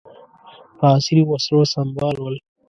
په عصري وسلو سمبال ول.